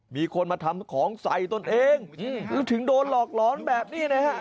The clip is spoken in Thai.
มีคนมาทำของใส่ตนเองแล้วถึงโดนหลอกหลอนแบบนี้นะฮะ